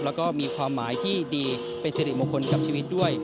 แล้วก็มีความหมายที่ดีเป็นสิริมงคลกับชีวิตด้วย